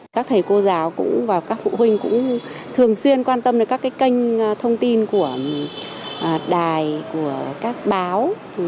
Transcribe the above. các thầy cô giáo cũng và các phụ huynh cũng thường xuyên quan tâm đến các kênh thông tin của đài của các báo